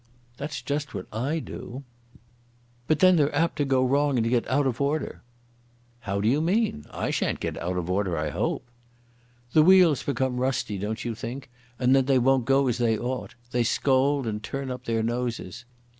"That's just what I do." "But then they're apt to go wrong and get out of order." "How do you mean? I shan't get out of order, I hope." "The wheels become rusty, don't you think? and then they won't go as they ought. They scold and turn up their noses.